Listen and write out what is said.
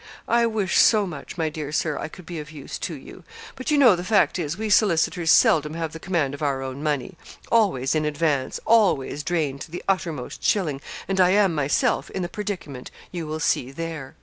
I wish so much, my dear Sir, I could be of use to you; but you know the fact is, we solicitors seldom have the command of our own money; always in advance always drained to the uttermost shilling, and I am myself in the predicament you will see there.'